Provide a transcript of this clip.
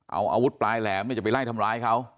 เอาอาวุธปลายแหลมจะไปไล่ทำร้ายเขา